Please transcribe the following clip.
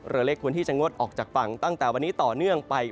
เรือเล็กควรที่จะงดออกจากฝั่งตั้งแต่วันนี้ต่อเนื่องไป